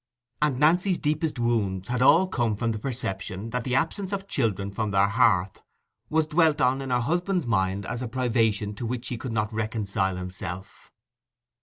And Nancy's deepest wounds had all come from the perception that the absence of children from their hearth was dwelt on in her husband's mind as a privation to which he could not reconcile himself.